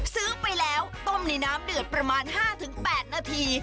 ซื้อไปแล้วต้มในน้ำเดือดประมาณ๕๘นาที